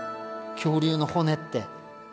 恐竜の骨って。